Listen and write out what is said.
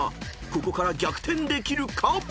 ［ここから逆転できるか？］